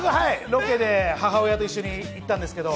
ロケで母親と一緒に行ったんですけど。